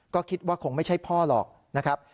ก็คิดว่าคงไม่ใช่พ่อหรอกนะครับ